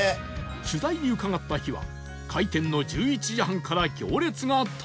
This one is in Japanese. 取材に伺った日は開店の１１時半から行列が絶えず